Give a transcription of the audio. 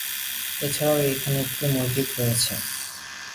এছাড়াও এখানে একটি মসজিদ রয়েছে।